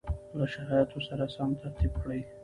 له شرایطو سره سم ترتیب کړي